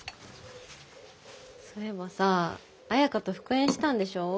そういえばさ綾花と復縁したんでしょう。